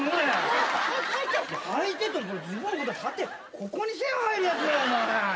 ここに線入るやつだよお前。